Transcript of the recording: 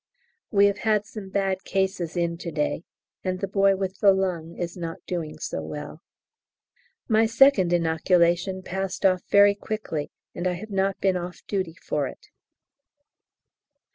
We have had some bad cases in to day, and the boy with the lung is not doing so well. My second inoculation passed off very quickly, and I have not been off duty for it.